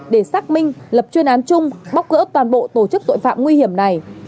để xác minh lập chuyên án chung bóc gỡ toàn bộ tổ chức tội phạm nguy hiểm này